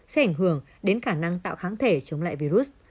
sẽ ảnh hưởng đến khả năng tạo kháng thể chống lại virus